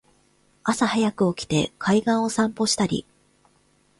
朝はやく起きて海岸を散歩したり